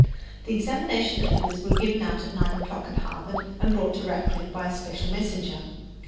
The examination papers were given out at nine o'clock at Harvard and brought to Radcliffe by a special messenger.